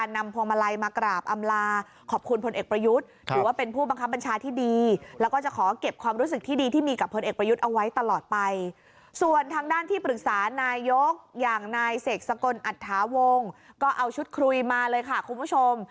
นายยกอย่างนายเสกสกลอัตภาวงศ์ก็เอาชุดครุยมาเลยค่ะคุณผู้ชม